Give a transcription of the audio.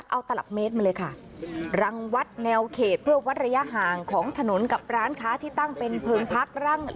เอาตลับเมตรมาเลยค่ะรังวัดแนวเขตเพื่อวัดระยะห่างของถนนกับร้านค้าที่ตั้งเป็นเพลิงพัก